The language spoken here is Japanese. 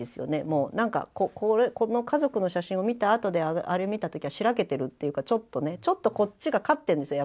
もうこの家族の写真を見たあとであれ見た時はしらけてるっていうかちょっとこっちが勝ってるんですよ